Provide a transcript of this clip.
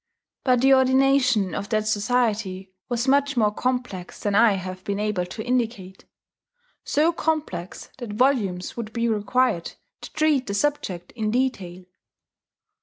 But the ordination of that society was much more complex than I have been able to indicate, so complex that volumes would be required to treat the subject in detail.